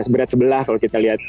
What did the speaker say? berat sebelah kalau kita lihat